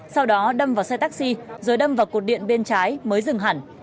sau đó đâm vào xe taxi rồi đâm vào cột điện bên trái mới dừng hẳn